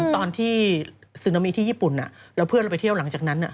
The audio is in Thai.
ตอนที่ซึนามีที่ญี่ปุ่นแล้วเพื่อนเราไปเที่ยวหลังจากนั้น